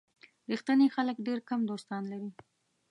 ریښتیني خلک ډېر کم دوستان لري.